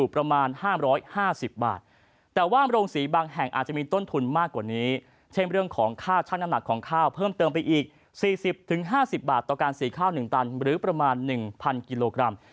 เพิ่มเติมไปอีก๔๐๕๐บาทต่อการสีข้าว๑ตันหรือประมาณ๑๐๐๐กิโลกรัม